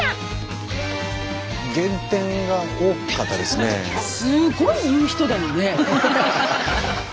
すごい言う人だよね。